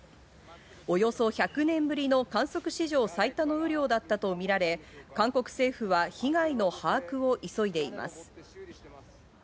およそ１００年ぶりの観測史上最多の雨量だったとみられ、韓国政府は被害の把握を急いでいます。